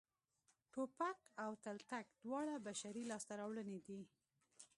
ټوپک او تلتک دواړه بشري لاسته راوړنې دي